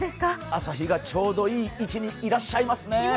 朝日がちょうどいい位置にいらっしゃいますね。